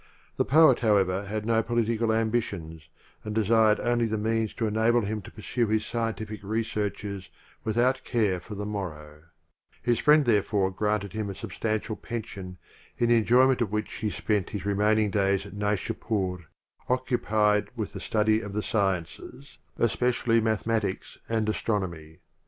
The poet, however, had no political am bitions and desired only the means to enable him to pursue his scientific researches with out care for the morrow ; his friend there fore granted him a substantial pension in the enjoyment of which he spent his re maining days in Naishdpdr, occupied with the study of the sciences, especially mathe matics and astronomy.